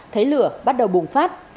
thấy lửa bắt đầu bùng phát